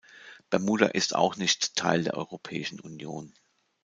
Bermuda ist auch nicht Teil der Europäischen Union.